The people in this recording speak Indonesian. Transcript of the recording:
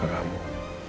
kamu harus kuat